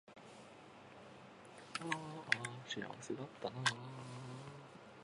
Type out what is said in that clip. あーあ幸せだったなー